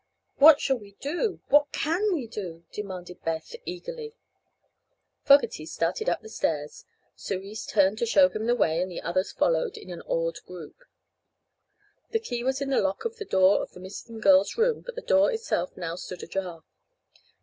"What shall we do? What can we do?" demanded Beth, eagerly. Fogerty started up the stairs. Cerise turned to show him the way, and the others followed in an awed group. The key was in the lock of the door to the missing girl's room, but the door itself now stood ajar.